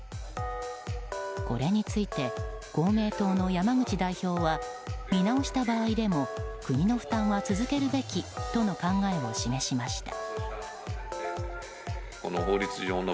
これについて公明党の山口代表は見直した場合でも国の負担は続けるべきとの考えを示しました。